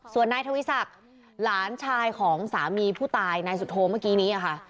ส่วนนายทวีศักดิ์หลานชายของสามีผู้ตายนายสุโธเมื่อกี้นี้ค่ะ